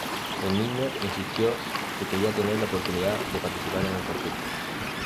El niño insistió que quería tener la oportunidad de participar en el conflicto.